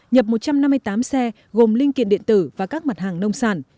nhập một trăm năm mươi tám xe gồm linh kiện điện tử và các mặt hàng nông sản